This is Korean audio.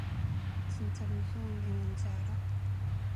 진짜 무서운 게 뭔지 알아?